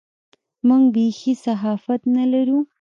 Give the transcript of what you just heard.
موږ بېخي صحافت نه لرو.